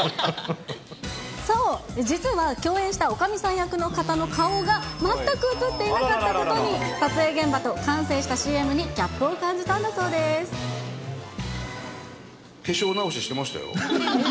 そう、実は共演したおかみさん役の方の顔が、全く写っていなかったことに、撮影現場と完成したＣＭにギャッ化粧直ししてましたよ。